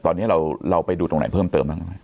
ตอนนี้เราไปดูตรงไหนเพิ่มเติมบ้าง